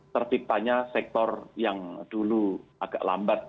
tertiptanya sektor yang dulu agak lambat